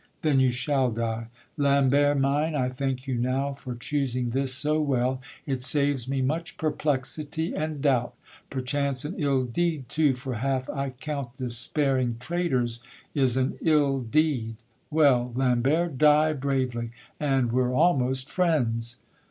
Then you shall die: Lambert mine, I thank you now for choosing this so well, It saves me much perplexity and doubt; Perchance an ill deed too, for half I count This sparing traitors is an ill deed. Well, Lambert, die bravely, and we're almost friends.